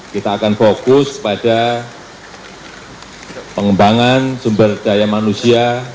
kita akan fokus pada pengembangan sumber daya manusia